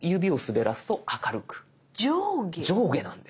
上下なんです。